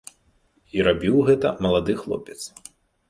І рабіў гэта малады хлопец.